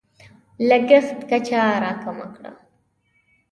لګښت کچه راکمه کړه.